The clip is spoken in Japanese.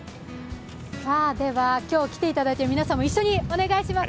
では今日来ていただいている皆さんも一緒にお願いします。